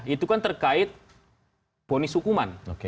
itu kan terkait ponis hukuman